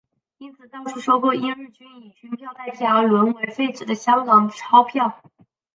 因此到处收购因日军以军票代替而沦为废纸的香港钞票。